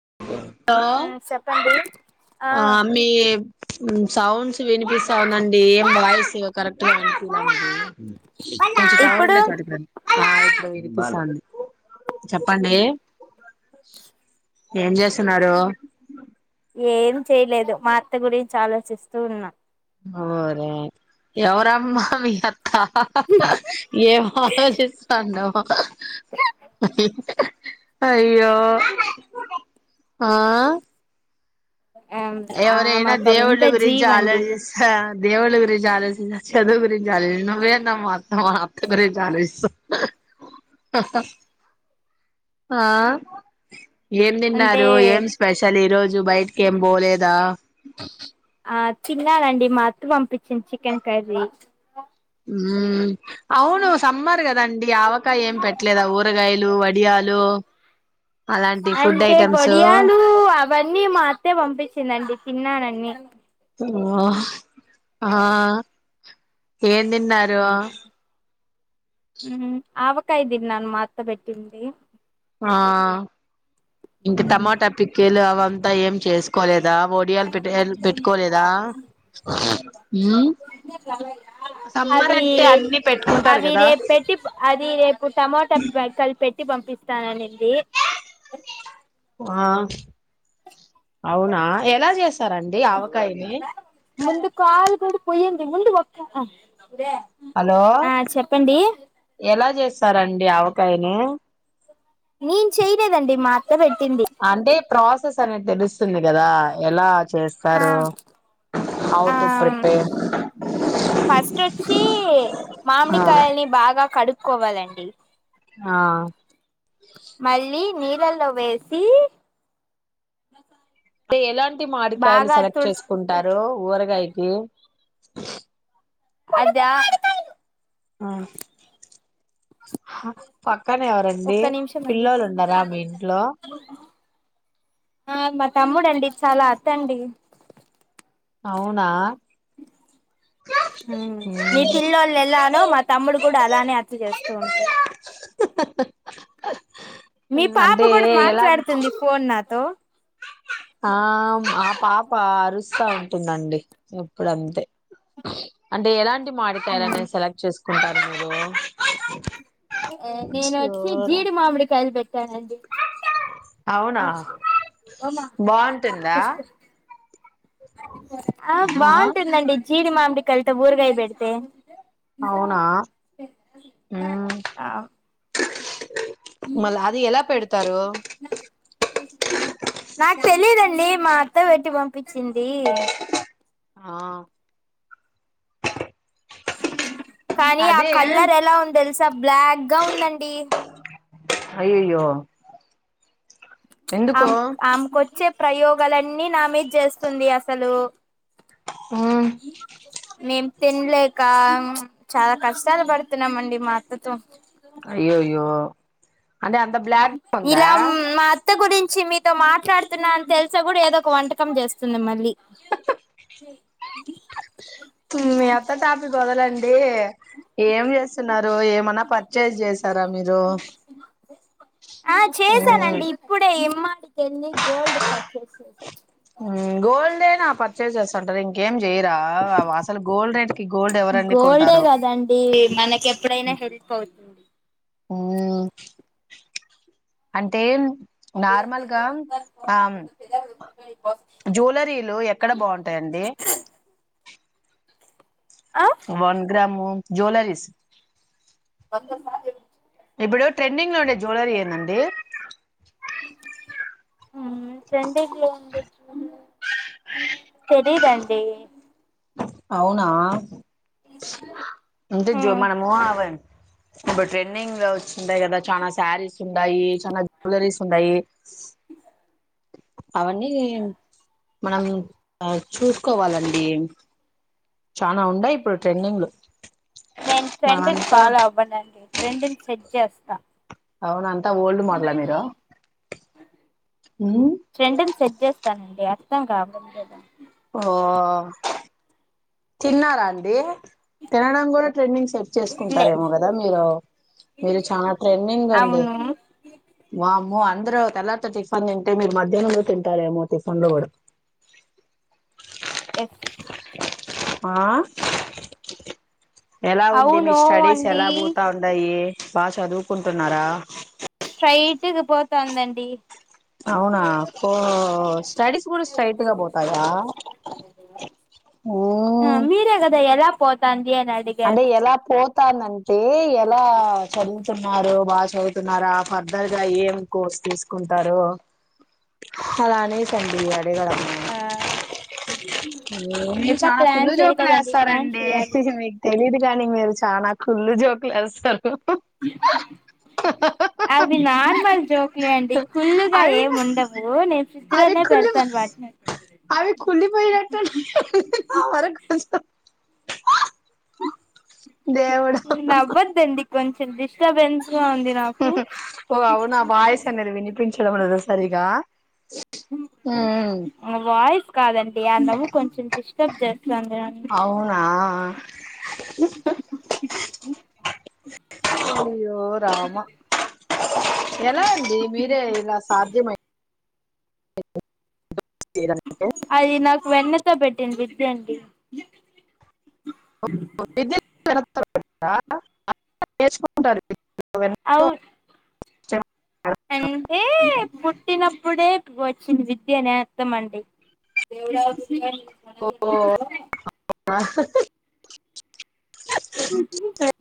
[unintelligible] హో మ్మ్ చెప్పండి ఆ అ మీ హు సౌండ్స్ వినిపిస్తా ఉందండి ఏం వాయిస్ కరెక్ట్ గా విని [unintelligible] కొంచం ఇప్పుడు తవరుండే చోటుకురండి ఆ ఇప్పుడ వినిపిస్తంధి చెప్పండి ఏం చేస్తున్నారు ఏం చేయలేదు మా అత్త గురించి ఆలోచిస్తూ ఉన్నా ఊరే ఎవరమ్మా మీ ఆ హా హా హా ఏం ఆలోచిస్తాండాం [unintelligible] [unintelligible] యో ఆ ఆమె ఎవరైనా ఒక వింత దేవుళ్ళు గురించి జీవండి ఆలోచిస్త దేవుళ్ళు గురించి అలోచి చదువు గురించి అలో నువేటామ్మా మాత్త మాత్త గురించి ఆలోచి ఆ ఏం అంటే తిన్నారు ఏం స్పెషల్ ఈ రోజు బయటకి ఏం పోలేదా ఆ తిన్ననండీ మాత్త పంపించింది చికెన్ కర్రీ ఉ అవును సమ్మర్ కదండి ఆవకాయ ఏం పెట్లేదా ఊరగాయలు వడియాలు అలాంటి ఫుడ్ అంటే ఐటమ్స్ గొడియాలు అవన్నీ మా అత్తే పంపించిందండి తిన్నానండి [unintelligible] ఓహా ఆ ఏన్ నిన్నారు హు ఆవకాయ తిన్నాను మాత్తబెట్టింది ఆ ఇంకా మ్మ్ టమాటా పికిల్ ఆవ అంతా ఏం చేసుకోలేదు, కదా వోడియాలు పె పెట్టుకోలేదా. ఉహు సమ్మర్ అవి అంటే అన్ని పెట్టుకుంటారు అవి కదా, రేపు పెట్టి అది రేపు టమోటా కలిపి [unintelligible] ఆ అవునా ఎలా చేస్తా ముందు కాలకు పొయ్య, ముందు వక్క ఆ, హలో చెప్పండి ఎలా చేస్త, సరండి ఆవకాయని, నేను చెయలేదండి మా అ అంటే ప్ర సస్ అనేది తెలుస్తుంది కదా ఎలా, ఆ చేస్తారు హౌ ఆ టు ప్రిపేర్ ఫస్ట్ వచ్చి ఆ మామిడికాయలని బాగా కడుకో, కోవాలండి, ఆ మళ్ళీ నీళ్ళల్లో వేసి, ఎలాంటి టి మాడికాయలు బాగా సెలెక్ట్ తుడుచు చేసుకుంటారు ఊరగాయకి, ఆదా ఆ పక్కనే ఎవరండి ఒక్క నిమిషం అండి పిల్లలు ఉన్నారా మీ ఇంట్లో, ఆ మా తమ్ముడండి చాలా అతి అండి, అవునా మీ మ్మ్ పిల్లోల్లు ఎలానో మా తమ్ముడు కూడా అలా అతి చేస్తూ ఉంటాడు, మీ పాప అంటే కూడా ఎలాంటి మాట్లాడుతుంది ఫోన్ నాతో, ఆ ఆ పాప అరుస్తా ఉ ఉంటుందండి ఎప్పుడు అంతే అంటే ఎలాంటి, మాడికాయాలని సెలెక్ట్ చేసు, కుంటారు [inaudible] నేను వచ్చి జీడి మామిడి కాయలు బెట్టి, పెట్టానండి, అవునా బాగుంటుందా [inaudible] ఆ, హా బాగుంటుందండి. [inaudible] జీడి మామిడి. కల్తే ఊరగాయ బడితే. అవునా హ్! ఆ [unintelligible] ఎమ్మ. [inaudible] [unintelligible] నాకు తెలీద అండి! మా అత్త పెట్టి పంప్. పిచ్చింది. ఆ! [inaudible] కానీ ఆ అదే కలర్, ఎలా ఉందో తెలుసా? బ్లాక్‌గా ఉంది అండి. అయ్యయ్యో ఎందుకు అమ్మ్, అమ్మ్ కోచేయ్. ప్రయోగాలన్నీ నా మీద చేస్తుంది, అసలు! హ్మ్మ్! తినలేకా. [inaudible] చాలా కష్టాలు పడుతున్నాం అండి, మాత్. కూర్చో. అయ్యయ్యో! [inaudible] ఇల్లా, మా అత్త గురించ. ఛీ మీతో మాట్లాడుతున్నా అని తెలిసి కూడా ఏదో ఒక వంటకం చేస్తుంది మళ్లీ. హా హా [unintelligible] మీ అత్త టాపిక్ వదలండేహ్, ఏం చేస్తున్నారు? ఏమైనా పర్చేజ్ చేశారా మీరు? [inaudible] ఆ మ్మ్ చేశానండి ఇప్పుడే. డీమార్ట్‌కి వెళ్లి గోల్డ్ పర్చేజ్ చేశా. హ్మ్, గోల్డ్ ఏనా? పర్చేజ్ చేసుంటారా, ఇంకేం జె? చేయరా, అసలు గోల్డ్ రేట్‌కి ఎవరండీ గోల్డ్ గోల్డే కొంటారు? కదండి మనకి ఎప్పుడైనా హెల్ప్ అవుతుంది [inaudible] ఊహూ, అంటే. నార్మల్‌గా అమ్మ్. జ్యువెలరీలు, ఎక్కడ బాగుంటుందండి? ఆ వన్ గ్రాము. జ్యువెలరీస్. వంద సార్లు చేపించు. [inaudible] ఇప్పుడు ట్రెండింగ్‌లో ఉండే జ్యువెలరీ ఏందండి? హ్మ్, ట్రెండింగ్‌లో ఉండే జ్యువెలర్! తెలియదండి. అవునా, అంటే జో మనము అవన్ [unintelligible] ఇప్పుడు ట్రెండింగ్‌లో వచ్చుంటాయి కదా. చానా చీరలు ఉండాయీయే, చానా జ్యువెలరీస్ ఉండాయీయే. అవొన్నీ మనం ఆ చూసుకోవాలండి. చానా ఉండాయి ఇప్పుడు ట్రెండింగ్‌లూ. నేను, ట్రెండ్‌ను ఫాలో అవను అండి. నేను, ట్రెండ్‌ను సెట్. చేస్త అవున ఓల్డ్ మోడలా మీరు ఉ వస్తానండి అర్థం కాబోడంలేదా ఓ తిన్నారా అండి తినడం కూడా ట్రెండింగ్ సెట్ లే చేసుకుంటారేమో కదా మీరు మీరు చాలా ట్రెండింగ్ అండి అవును వామ్మో అందరు తెల్లరితే టిఫన్ తింటే మీరు మధ్యాహ్నంలో తింటాలేమో టిఫన్ లో కూడా ఎస్ ఆ ఎలా ఉంది మీ అవును స్టడీస్ అండి ఎలా పోతా ఉండాయి బాగా చదువుకుంటున్నారా స్ట్రైట్ గ పోతాందండి అవునా ఉ స్టడీస్ కూడా స్ట్రైట్గా పోతాయా ఓ పోతాను అంటే ఎలా పోతానంటే అలా చదువుతున్నారు. బాగా చదువుతున్నారా, ఫర్దర్ గా ఏం కోర్స్ తీసుకుంటారు. అలా అనేసండి అడగల ఆ మీరు ఇంకా చాలా ప్లాన్ కుళ్ళు జోకులు చేయలేదండి ప్లాన్ వేస్తారండి చెయ్యాలి మీకు తెలిదు కాని మీరు చాలా కూల్ జోక్లు వేస్తారు అది నార్మల్ జోక్లే అండి కుళ్ళు గా అవి ఏమి ఉండవు నేను ఫ్రిడ్జ్ అవి లోనే కుళ్ళి పెడతాను వాట్నీ ఇహ్ ఇహ్ హ హ నవ్వద్ అండి కొంచెం డిస్టబెన్స్ ఓ అవునా వాయిస్ అన్నది వినిపించ చెడమనద ఒకసారిగా ఉహు వాయిస్ కాదండి అ అన్నము కొంచెం ఇష్ట టెక్ట్ అవునా అ అయ్యో రామా ఎలా అండి మీరే ఇలా సాధ్యం అయ్ అది నాకు వెన్నెతో పెట్టిన వి. థాంక్యూ. [unintelligible] [unintelligible] [unintelligible] అవు చ్చ. అంటే పుట్టినప్పుడే వచ్చింది విద్యనే అర్థం అండి. [unintelligible] [inaudible]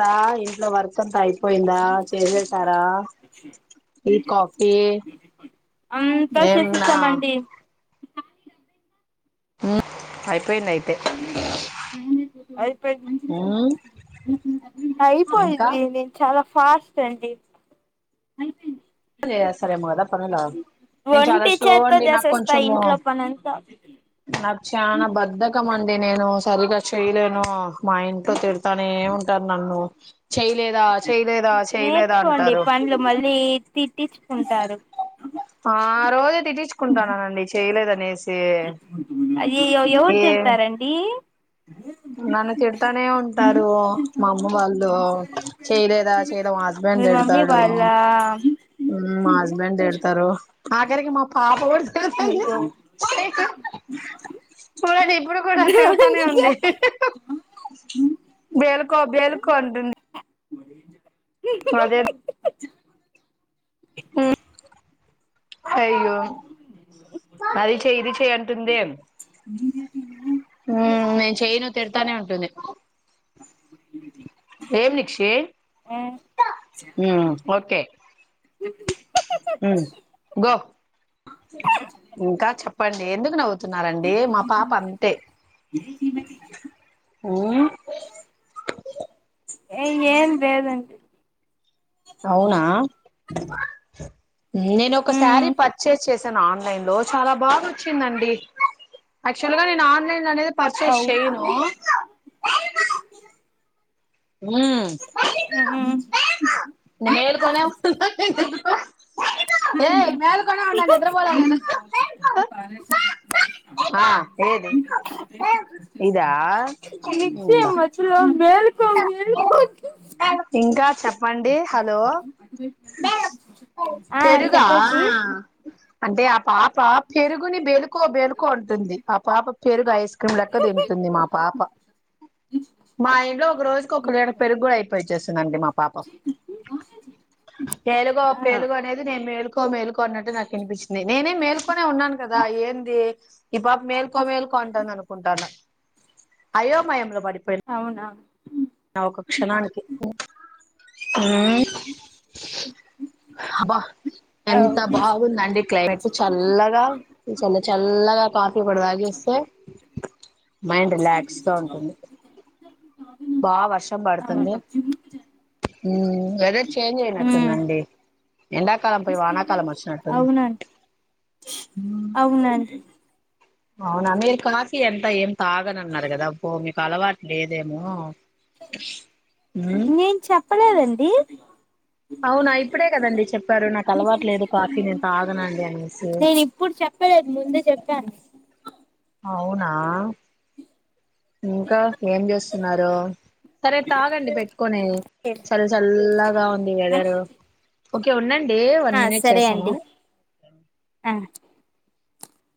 తాయ్ ఇంట్లో వర్షతాయ్. పోయిందా చేసేసారా ఈ కాఫీ అంతా ఏంనా. చేసేసామండి అయిపోయింది అయిపో. అయిపోయింది ఉమ్, ఇంకా అయిపోయింది నేను చాలా. ఫాస్ట్ అండి. సరే పోదాం పద గదా నేను చాలా ఒంటి స్లో చేత్తో అండి నాకు చేసేస్తా కొంచెంము ఇంట్లో పనంతా నాకు చనా బధకం అ. నేను సరిగా చెయలేను మా ఇంట్లో తిడతానే ఏ ఉంటారు నన్ను. చేయలేదా చేయలేదా చేయలేదా నేర్చుకోండి అంటారు. పనులు మళ్ళీ తిట్టించుకుంటారు. ఆ రోజు. తీర్చుకుంటాన్నానండి చేయలే. ప్లేస్. అయ్యాయాయో. యోవరు తిడతారండి. నన్ను తిడతానే ఉంటారు, మా అమ్మ వాళ్ళు, చేయలేదా చేయదా మా మీ హస్బెండ్ మమ్మీ తిడతాడు, వాళ్ళ మా హస్బెండ్ తిడతారు, ఆగరికి మా పాప కూడా. అయ్యో [unintelligible] [unintelligible] బెల్కో బెల్కో అంటుంది. [inaudible] పదే. ఉ. అయ్యో అది చెయ్ ఇది చెయ్ అంటుందే. మ్మ్ నేను చేయను తిడతానే ఉంటుంది. [inaudible] ఏం నిక్షే. ఉ ఓకే ఉ గో ఇంకా చెప్పండి ఎందుకు నవ్వుతున్నారండి మా పాప అంతే ఏం లేేదండి అవునా నేను ఒక శారీ మ్మ్ పర్చేస్ చేశాను ఆన్లైన్ లో చాలా బాగా వచ్చిందండి యాక్చువల్ గా నేను ఆన్లైన్ అనేది పర్చేస్ అవు చేయను ఊ మ్మ్ మేల్కొనే ఉంటున్న నేను ఏయ్ మేల్కనే ఉన్న నిద్ర బోలే నేను ఆ ఏది ఇదా మిక్సీ ఉందా మధ్యలో మేలుకో మేలుకో ఇంకా కా చెప్పండి హలో ఆ పెరుగా చెప్పండి అంటే ఆ పాప పెరుగుని బేలుకో బేలుకో అంటుంది ఆ పాప పెరుగు ఐస్ క్రీమ్ లెక్క తింటుంది మా పాప మా ఇంట్లో ఒక రోజు ఒక లీటర్ పెరుగు కూడా అయిపోయిచేస్తది నండి మాప్ పాపం ఏలుగు ఆ పేలుగు అనేది నేను మేలుకో కో మేలుకో అన్నట్టు నాకు అనిపించింది నేనే మేల్కొనే ఉన్నాను కదా ఏంది ఈ పాప మేల్కో మేల్కో అంటంది అనుకుంటండ అయోమయంలో అవునా నా ఒక క్షణానికి ఊ అబా అవు ఎంత బాగుందండి క్లైమేట్ చల్లగా చల్ల చల్లగా కాఫీ పొడి తాగేస్తే మైండ్ రిలాక్స్ గా ఉంటుంది బా వర్షం పడుతుంది అవును ఊ వెదర్ చేంజ్ మ్మ్ అయినట్టుందండి ఎండాకాలం పోయి వానాకాలం వచ్చినట్టుంది అవునండి అవునండి అవునా మీరు కాఫీ ఎంత ఏం తాగనన్నారు కదా మీకు అలవాటు లేదేమో మ్మ్ నేను చెప్పలేదండి ది అవునా ఇప్పుడే కదండి చెప్పారు నాకు అలవాటు లేదు కాఫీ నేను తాగనండి అనేసి నేను ఇప్పుడు చెప్పలేదు ముందే చెప్పాను అవునా ఇంకా ఏం చేూస్తున్నారు సరే తాగండి పెట్టుకొని చల్ చల్లగా ఉంది వెదరు ఓకే ఉనండ్ డి వన్ ఆ మనిట్ సరే చేస్తాను అండి ఆ